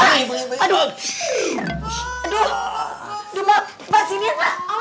aduh pak sini pak